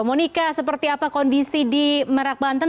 monika seperti apa kondisi di merak banten